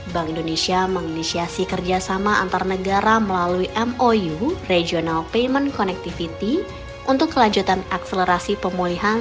bank indonesia menginisiasi kerjasama antar negara melalui mou regional payment connectivity untuk kelanjutan akselerasi pemulihan